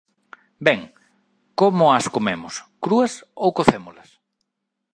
Ben, como as comemos: crúas ou cocémolas?